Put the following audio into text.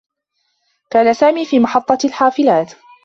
كان سامي في محطّة الحافلات.